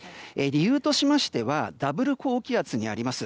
理由としましてはダブル高気圧にあります。